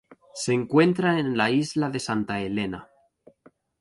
Se encuentra en la isla de Santa Helena.